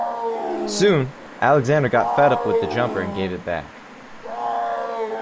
Soon, Alexander got fed up with the jumper and gave it back.